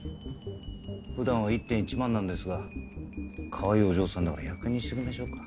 普段は１点１万なんですがかわいいお嬢さんだから１００円にしときましょうか。